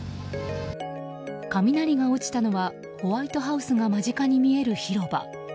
雷が落ちたのはホワイトハウスが間近に見える広場。